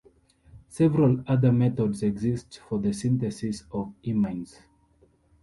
Several other methods exist for the synthesis of imines.